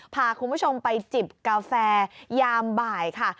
พาคุณผู้ชมไปจิบกาแฟยามบ่ายค่ะ